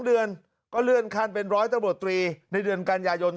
เดือนก็เลื่อนขั้นเป็นร้อยตำรวจตรีในเดือนกันยายน